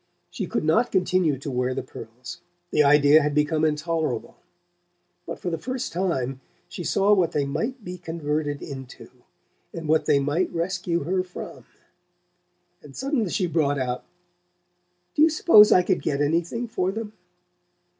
She could not continue to wear the pearls: the idea had become intolerable. But for the first time she saw what they might be converted into, and what they might rescue her from; and suddenly she brought out: "Do you suppose I could get anything for them?"